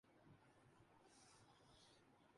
جو بت قوم نوح میں پوجے جاتے تھے